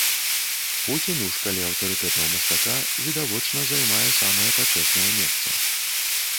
Пуцін у шкале аўтарытэтаў мастака, відавочна, займае самае пачэснае месца.